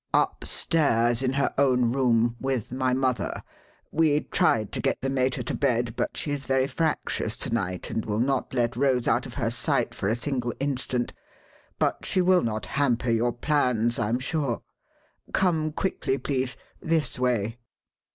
"Upstairs in her own room with my mother. We tried to get the mater to bed, but she is very fractious to night and will not let Rose out of her sight for a single instant. But she will not hamper your plans, I'm sure. Come quickly, please this way."